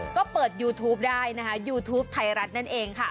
ก็เปิดยูทูปได้นะคะยูทูปไทยรัฐนั่นเองค่ะ